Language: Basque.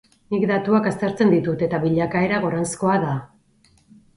Nik datuak aztertzen ditut eta bilakaera goranzkoa da.